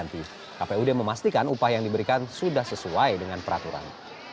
kpud memastikan upah yang diberikan sudah sesuai dengan peraturan